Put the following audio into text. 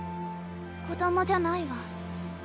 子供じゃないわ。